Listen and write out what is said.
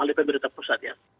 hali pemerintah pusat ya